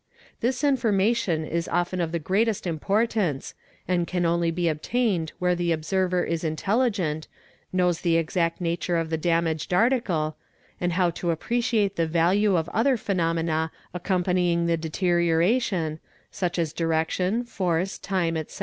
This information is often of the greatest :. importance and can only be obtained where the observer is intelligent, knows the exact nature of the damaged article, and how to appreciate y, the value of other phenomena accompanying the deterioration, such as direction, force, time, etc.